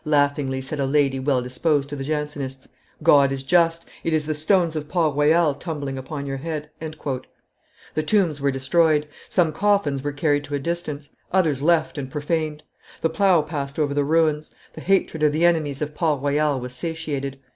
laughingly said a lady well disposed to the Jansenists; "God is just; it is the stones of Port Royal tumbling upon your head." The tombs were destroyed; some coffins were carried to a distance, others left and profaned; the plough passed over the ruins; the hatred of the enemies of Port Royal was satiated.